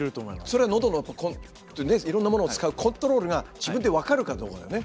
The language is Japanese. それはのどのいろんなものを使うコントロールが自分で分かるかどうかだよね。